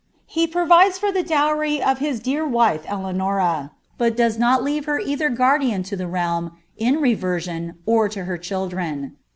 He provides for the dowrj of Im dear wife Eleniion, but doea not leave her either guudiaii U> the ruin, iu reversion, or to her children.